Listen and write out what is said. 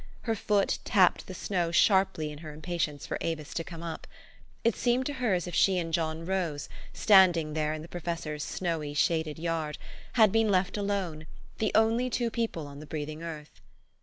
Her foot tapped the snow sharply in her impatience for Avis to come up. It seemed to her as if she and John Rose, standing there in the professor's snowjr, shaded yard, had been left alone, the only two people on the breathing earth.